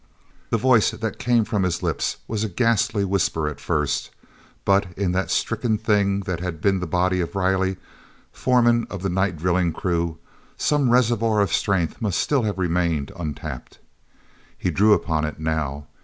he voice that came from his lips was a ghastly whisper at first, but in that stricken thing that had been the body of Riley, foreman of the night drilling crew, some reservoir of strength must still have remained untapped. He drew upon it now.